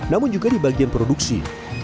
namun juga di bagian produksi